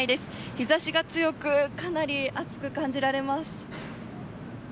日ざしが強く、かなり暑く感じられます。